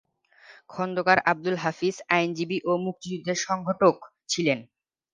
খন্দকার আবদুল হাফিজ আইনজীবী ও মুক্তিযুদ্ধের সংগঠক ছিলেন।